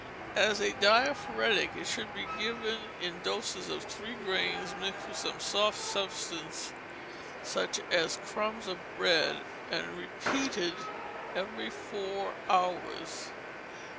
As a diaphoretic, it should be given in doses of three grains, mixed with some soft substance, such as crumbs of bread, and repeated every four hours.